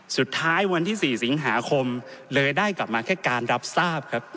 สุดท้ายวันที่๔สิงหาคมเลยได้กลับมาแค่การรับทราบครับ